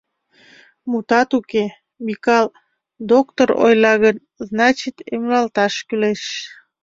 Мутат уке, Микал, доктор ойла гын, значит, эмлалташ кӱлеш.